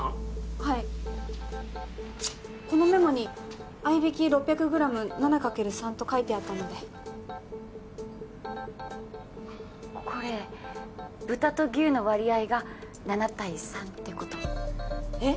はいこのメモに「合い挽き６００ｇ７×３」と書いてあったのでこれ豚と牛の割合が７対３ってことえっ？